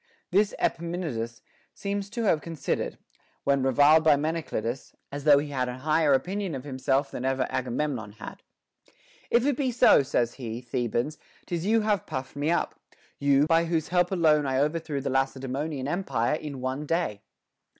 This Epaminondas seems to have considered, when reviled by Meneclidas, as though he had an higher opinion of him self than ever Agamemnon had. If it be so, says he, Thebans, 'tis you have puffed me up ; you, by whose help alone I overthrew the Lacedaemonian empire in one day.